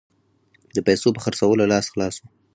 د پیسو په خرڅولو لاس خلاص وو.